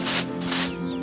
agar tidak terjadi keguguran